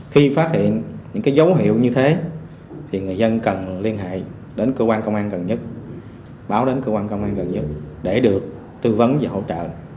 khi phát hiện những dấu hiệu như thế thì người dân cần liên hệ đến cơ quan công an gần nhất báo đến cơ quan công an gần nhất để được tư vấn và hỗ trợ